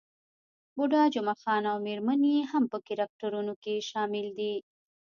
بوډا جمعه خان او میرمن يې هم په کرکټرونو کې شامل دي.